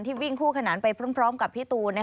วิ่งคู่ขนานไปพร้อมกับพี่ตูน